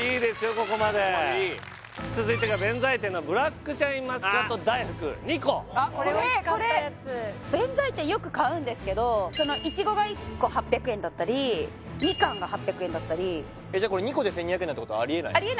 ここまで続いてが弁才天のブラックシャインマスカット大福２個これおいしかったやつ弁才天よく買うんですけどいちごが１個８００円だったりみかんが８００円だったりじゃあこれ２個で１２００円なんてことありえない？